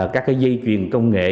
các cái dây chuyền công nghệ